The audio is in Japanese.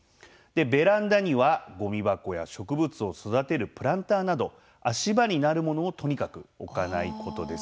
ベランダには、ごみ箱や植物を育てるプランターなど足場になるものをとにかく置かないことです。